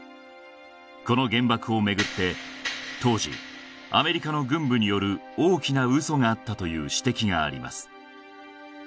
この原爆をめぐって当時アメリカの軍部による大きな嘘があったという指摘があります